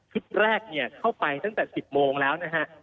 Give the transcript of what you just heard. แรกเข้าไปตั้งแต่๑๐โมงแล้วนะฮะ